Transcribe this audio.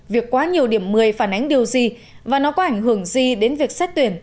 việc quá nhiều điểm một mươi phản ánh điều gì và nó có ảnh hưởng gì đến việc xét tuyển